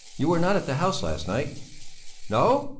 You were not at the House last night?" "No!